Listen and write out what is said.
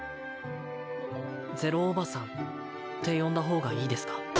ゼロおばさんって呼んだ方がいいですか？